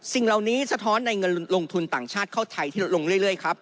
สิ่งเหล่านี้สะท้อนในเงินลงทุนต่างชาติเข้าไทยที่ลดลงเรื่อยครับ